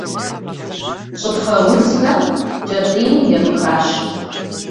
ЩӀыфэ узхэр кӀэтӀийм епхащ.